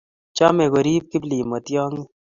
Chame koribe Kiplimo tyongik